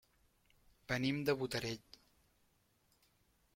Venim de Botarell.